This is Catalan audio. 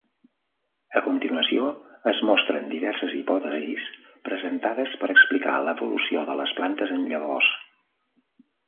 A continuació es mostren diverses hipòtesis presentades per explicar l'evolució de les plantes amb llavors.